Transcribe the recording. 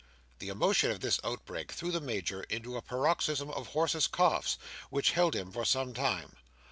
The emotion of this outbreak threw the Major into a paroxysm of horse's coughs, which held him for a long time.